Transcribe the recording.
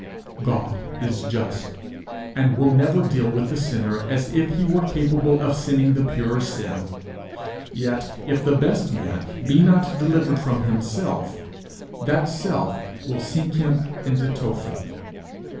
God is just, and will never deal with the sinner as if he were capable of sinning the pure sin; yet if the best man be not delivered from himself, that self will sink him into Tophet.